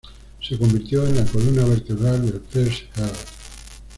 Se convirtió en la columna vertebral del First Herd.